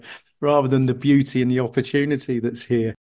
daripada keindahan dan kesempatan yang ada di sini